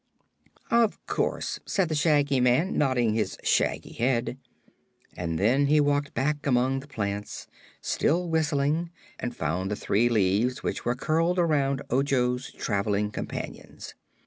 "Of course," said the Shaggy Man, nodding his shaggy head. And then he walked back among the plants, still whistling, and found the three leaves which were curled around Ojo's traveling companions.